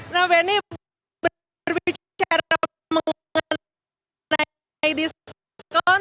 nah ini berbicara mengenai diskon